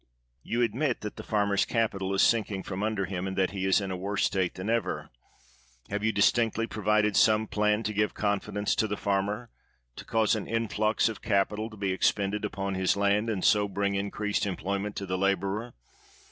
You admit that the farmer's capital is sink ing from under him, and that he is in a worse state than ever. Have you distinctly provided some plan to give confidence to the farmer, to cause an influx of capital to be expended upon his land, and so bring increased employment to the laborer?